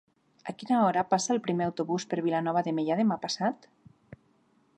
A quina hora passa el primer autobús per Vilanova de Meià demà passat?